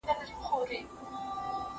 هغه څوک چې اوبه څښي روغ وي!!